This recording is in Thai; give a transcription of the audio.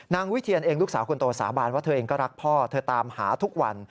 วิเทียนเองลูกสาวคนโตสาบานว่าเธอเองก็รักพ่อเธอตามหาทุกวัน